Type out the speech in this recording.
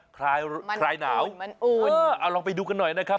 คลายหนาวมันอุ่นเอาลองไปดูกันหน่อยนะครับ